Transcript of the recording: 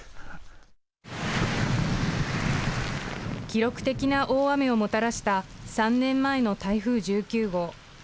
記録的な大雨をもたらした３年前の台風１９号。